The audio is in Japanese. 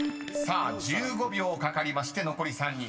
［１５秒かかりまして残り３人。